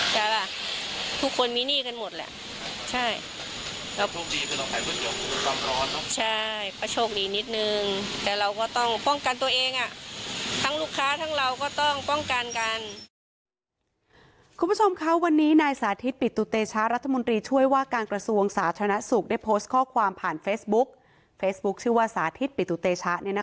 คุณผู้ชมคะวันนี้นายสาธิตปิตุเตชะรัฐมนตรีช่วยว่าการกระทรวงสาธารณสุขได้โพสต์ข้อความผ่านเฟซบุ๊กเฟซบุ๊คชื่อว่าสาธิตปิตุเตชะเนี่ยนะคะ